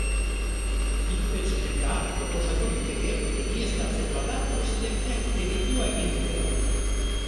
Impeachment-a proposatu liteke egiaztatzen bada presidenteak delitua egin duela.